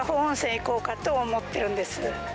行こうかなと思ってるんです。